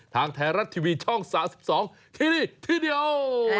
ทางไทยรัฐทีวีช่อง๓๒ที่นี่ที่เดียว